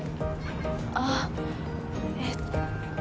あっえっと